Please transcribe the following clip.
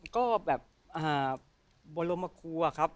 ก็แบบบรมครัวครับ